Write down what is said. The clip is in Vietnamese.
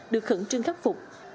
được khẩn trương khắc phục